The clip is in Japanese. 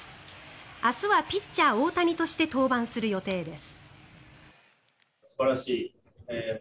明日はピッチャー大谷として登板する予定です。